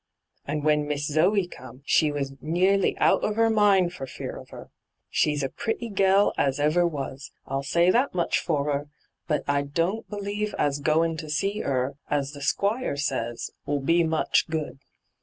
And when Miss Zoe come, she was nearly out of 'er mind for fear of 'er. She's a pretty gell as ever was — I'll say that much for 'er — but I don't believe as goin' to see *er, as the Squire says, '11 be much good.